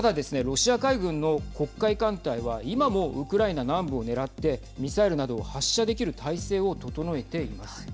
ロシア海軍の黒海艦隊は今もウクライナ南部を狙ってミサイルなどを発射できる態勢を整えています。